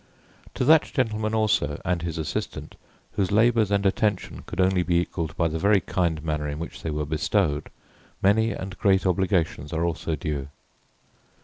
To that gentleman also, and his assistant, whose labours and attention could only be equalled by the very kind manner in which they were bestowed, many and great obligations are also due.